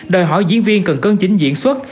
đòi hỏi diễn viên cần cân chính diễn xuất